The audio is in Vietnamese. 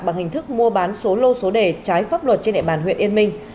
bằng hình thức mua bán số lô số đề trái pháp luật trên địa bàn huyện yên minh